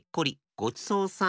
ごちそうさん。